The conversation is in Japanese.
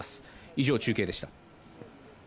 以上、中継でした。